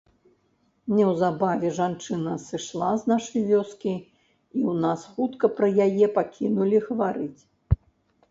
Неўзабаве жанчына сышла з нашай вёскі, і ў нас хутка пра яе пакінулі гаварыць.